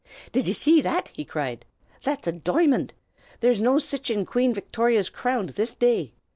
"Div ye see that?" he cried. "That's a dimind! There's no sich in Queen Victory's crownd this day.